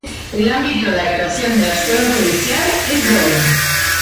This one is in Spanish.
El ámbito de actuación de la Escuela Judicial es doble.